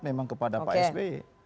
memang kepada pak sby